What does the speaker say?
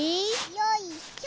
よいしょ。